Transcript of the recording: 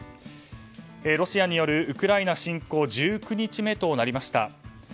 ロシアによるウクライナ侵攻１９日目となりました。